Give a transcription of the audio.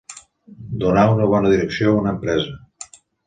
Donar una bona direcció a una empresa.